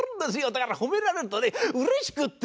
だから褒められるとねうれしくって！